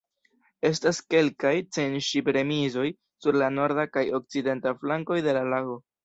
Estas kelkaj cent ŝip-remizoj sur la norda kaj okcidenta flankoj de la lago.